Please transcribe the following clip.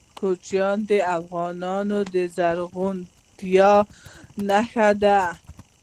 کوچیان د افغانستان د زرغونتیا نښه ده.